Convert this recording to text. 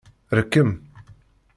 Rkem.